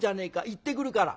行ってくるから」。